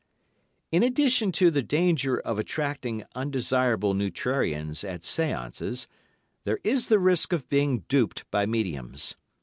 In addition to the danger of attracting undesirable neutrarians at séances, there is the risk of being duped by mediums.